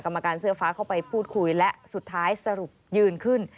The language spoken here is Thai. กรรมการเสื้อฟ้าเข้าไปพูดคุยและสุดท้ายสรุปยืนขึ้น